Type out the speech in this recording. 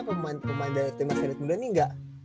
pemain dari lima senit muda ini gak